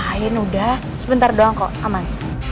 air udah sebentar doang kok aman